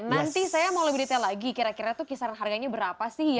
nanti saya mau lebih detail lagi kira kira itu kisaran harganya berapa sih